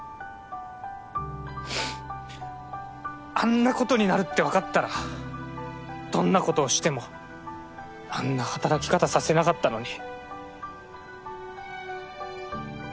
ううっあんなことになるってわかってたらどんなことをしてもあんな働き方させなかったのに。